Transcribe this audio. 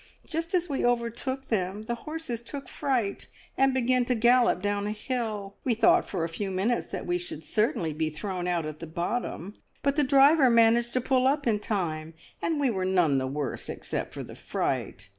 Just as we overtook them the horses took fright, and began to gallop down a hill. We thought for a few minutes that we should certainly be thrown out at the bottom, but the driver managed to pull up in time, and we were none the worse except for the fright.